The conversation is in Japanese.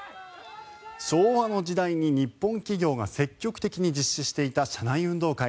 昭和の時代に日本企業が積極的に実施していた社内運動会。